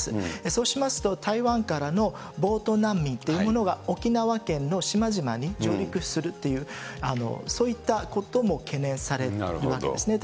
そうしますと、台湾からのボート難民というものが沖縄県の島々に上陸するという、そういったことも懸念されるわけですね。